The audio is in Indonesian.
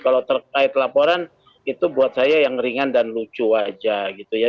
kalau terkait laporan itu buat saya yang ringan dan lucu aja gitu ya